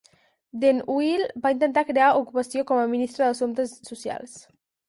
Den Uyl va intentar crear ocupació com a ministre d'assumptes socials.